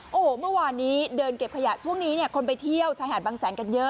โอ้โหเมื่อวานนี้เดินเก็บขยะช่วงนี้เนี่ยคนไปเที่ยวชายหาดบางแสนกันเยอะ